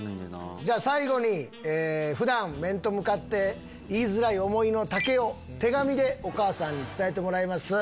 じゃあ最後に普段面と向かって言いづらい思いの丈を手紙でお母さんに伝えてもらいます。